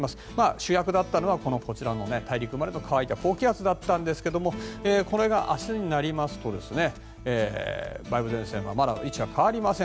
主役だったのはこちらの大陸までの乾いた高気圧だったんですがこれが明日になりますと梅雨前線の位置はまだ変わりません。